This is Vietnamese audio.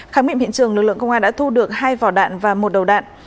kháng miệng hiện trường lực lượng công an đã thu được hai vỏ đạn và một đầu đạn